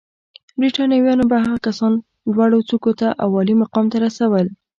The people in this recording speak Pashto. برېټانویانو به هغه کسان لوړو څوکیو او عالي مقام ته رسول.